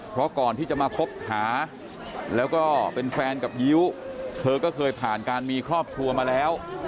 เพราะก่อนที่จะมาคบหาแล้วก็เป็นแฟนกับยิ้วเธอก็เคยผ่านการมีครอบครัวมาแล้ว